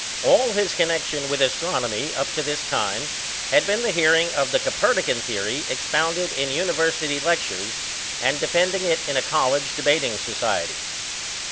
All his connection with astronomy up to this time had been the hearing the Copernican theory expounded in University lectures, and defending it in a college debating society.